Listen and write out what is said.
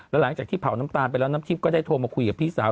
หลังจากที่เผาน้ำตาลไปแล้วน้ำทิพย์ก็ได้โทรมาคุยกับพี่สาว